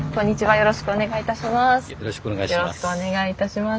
よろしくお願いします。